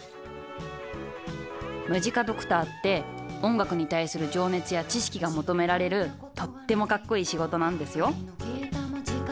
ムジカドクターって音楽に対する情熱や知識が求められるとってもかっこいい仕事なんですよ